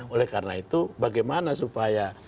oleh karena itu bagaimana supaya